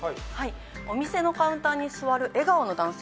お店のカウンターに座る笑顔の男性